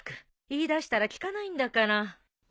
言い出したら聞かないんだから。